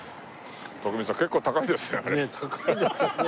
徳光さん結構高いですよね。